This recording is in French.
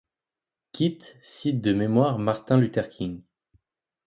Kit cite de mémoire Martin Luther King.